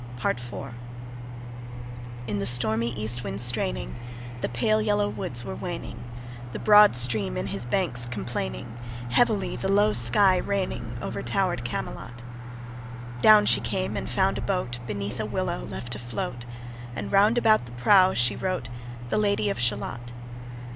Part IV. In the stormy east wind straining, The pale yellow woods were waning, The broad stream in his banks complaining, Heavily the low sky raining Over tower'd Camelot; Down she came and found a boat Beneath a willow left afloat, And round about the prow she wrote The Lady of Shalott.